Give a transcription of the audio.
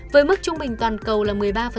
với mức trung bình toàn cầu là một mươi ba